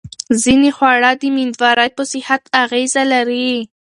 ځینې خواړه د مېندوارۍ په صحت اغېزه لري.